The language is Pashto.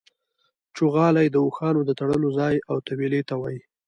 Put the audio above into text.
چوغالی د اوښانو د تړلو ځای او تویلې ته وايي.